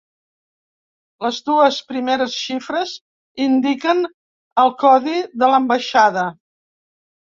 Les dues primeres xifres indiquen el codi de l'ambaixada.